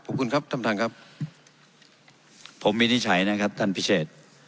ขอบคุณครับท่านท่านครับผมวินิจฉัยนะครับท่านพิเศษ